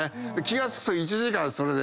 気が付くと１時間それで。